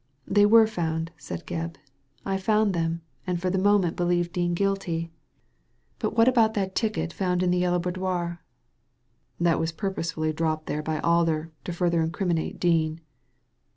" They were found," ' said Gebb. " I found them, and for the moment believed Dean guilty. Digitized by Google 266 THE LADY FROM NOWHERE But about that ticket found in the Yellow Boudoir?" " That was purposely dropped there by Alder to further incriminate Dean."